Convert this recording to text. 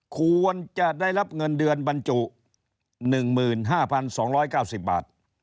ควรจะได้รับเงินเดือนบรรจุ๑๕๒๙๐บาท